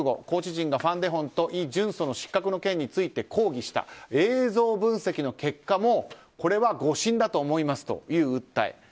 コーチ陣がファン・デホンとイ・ジュンソの失格の件について抗議した映像分析の結果もこれは誤審だと思いますという訴え。